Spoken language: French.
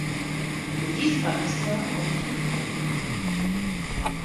Les disparitions continuent donc.